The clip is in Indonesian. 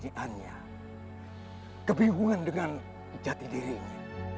dan dia kebingungan dengan keindihannya